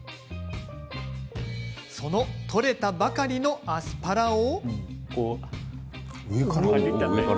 その取れたばかりのアスパラを。